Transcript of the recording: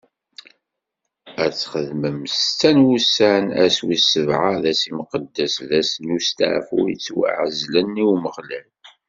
Ad txeddmem setta n wussan, ass wis sebɛa d ass imqeddes, d ass n usteɛfu yettwaɛezlen i Umeɣlal.